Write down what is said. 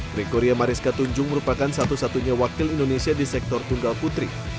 gregoria mariska tunjung merupakan satu satunya wakil indonesia di sektor tunggal putri